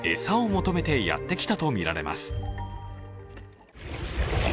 餌を求めてやってきたとみられます。